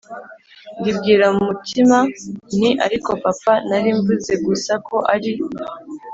Ndibwira mu mutima nti ariko papa nari mvuze gusa ko ari